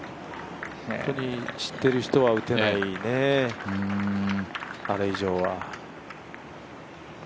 本当に知っている人は打てないね、あれ以上は。